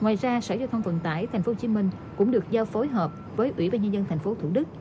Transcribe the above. ngoài ra sở giao thông vận tải tp hcm cũng được giao phối hợp với ủy ban nhân dân tp thủ đức